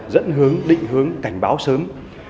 dẫn hướng định hướng cảnh báo sớm